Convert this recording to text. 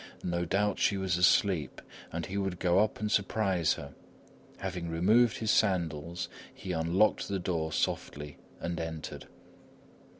No doubt she was asleep, and he would go up and surprise her. Having removed his sandals, he unlocked the door softly and entered.